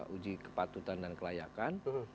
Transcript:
uji kepatutan dan kelayakan